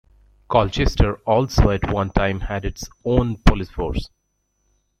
Colchester also at one time had its own police force.